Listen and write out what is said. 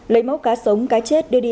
lấy mẫu cá sống cá chết đưa đi